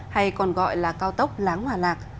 hay còn gọi là cao tốc láng hòa lạc